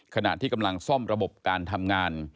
ขณะที่กำลังซ่อมระบบการทำงาน